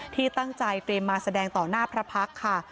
ที่ตั้งใจเตรียมมาแสดงต่อหน้าพระพักษ์ค่ะ